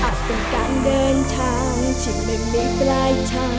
เป็นการเดินทางที่ไม่มีปลายทาง